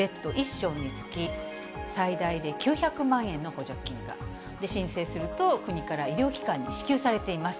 床につき、最大で９００万円の補助金が、申請すると国から医療機関に支給されています。